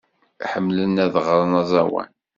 Ḥemmlen ad ɣren aẓawan.